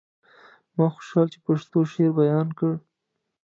ما خوشحال چې په پښتو شعر بيان کړ.